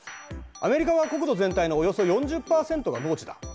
アメリカは国土全体のおよそ４０％が農地だ。